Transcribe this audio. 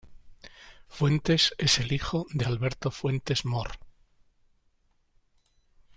Fuentes es el hijo de Alberto Fuentes Mohr.